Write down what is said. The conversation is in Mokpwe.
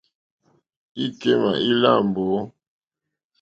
Íkémà ílâ mbǒ.